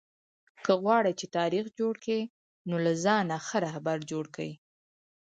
که غواړى، چي تاریخ جوړ کى؛ نو له ځانه ښه راهبر جوړ کئ!